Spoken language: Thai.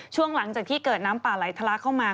ช่วงหลังจากที่เกิดน้ำปลาล้ายธรรมะเข้ามา